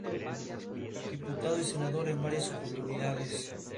Diputado y senador en varias oportunidades.